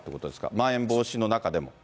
まん延防止の中でも。